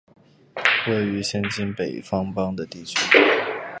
位于现今北方邦的地区。